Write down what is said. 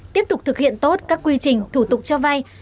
tiếp tục thực hiện tốt các quy trình thủ tục cho vay